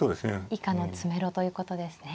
以下の詰めろということですね。